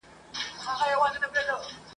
ایوب خان باید د ملالي پوښتنه کړې وای.